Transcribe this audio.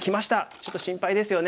ちょっと心配ですよね。